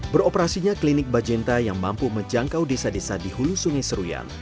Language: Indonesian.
beroperasinya klinik bajenta yang mampu menjangkau desa desa di hulu sungai seruyan